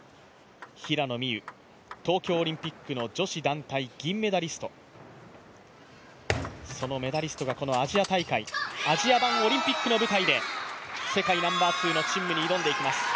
平野美宇東京オリンピック女子団体銀メダリスト、そのメダリストがアジア大会アジア版オリンピックの舞台で世界ナンバーツーの陳夢に挑んでいきます。